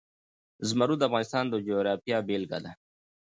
زمرد د افغانستان د جغرافیې بېلګه ده.